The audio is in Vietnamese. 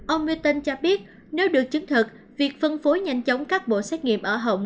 ông meton cho biết nếu được chứng thực việc phân phối nhanh chóng các bộ xét nghiệm ở hồng